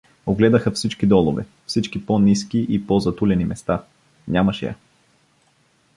Огледаха всички долове, всички по-ниски и по-затулени места — нямаше я.